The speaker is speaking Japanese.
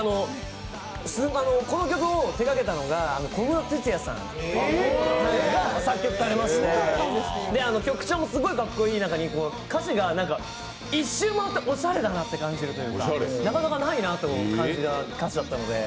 この曲を手がけたのが小室哲哉さんが作曲されまして曲調もすごいかっこいい中で歌詞が１周回っておしゃれでなかなかないなという感じの歌詞だったので。